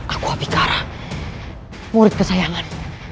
aku abikara murid kesayangan